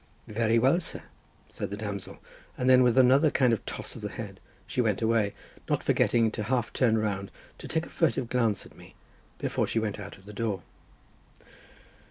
"Very well, sir," said the damsel, and then with another kind of toss of the head, she went away, not forgetting to turn half round, to take a furtive glance at me, before she went out of the door.